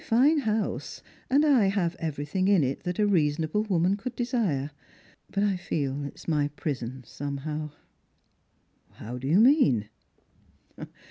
319 fine lionse, and I have everything in it that a reasonable woman could desire ; but I feel that it is my prison, somehow." " How do you mean